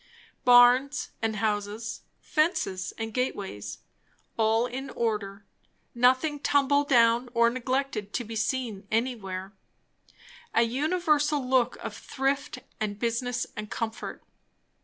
Barns and houses, fences and gateways, all in order; nothing tumble down or neglected to be seen anywhere; an universal look of thrift and business and comfort.